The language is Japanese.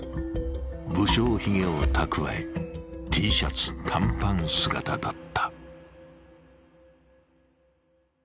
不精ひげを蓄えＴシャツ、短パン姿だった。